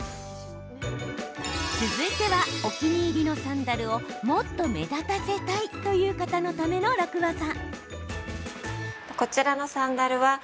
続いてはお気に入りのサンダルをもっと目立たせたいという方のための楽ワザ。